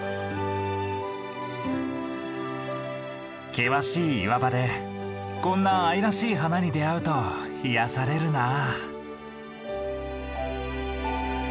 険しい岩場でこんな愛らしい花に出会うと癒やされるなあ。